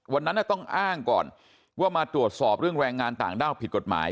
วันนั้นต้องอ้างก่อนว่ามาตรวจสอบเรื่องแรงงานต่างด้าวผิดกฎหมาย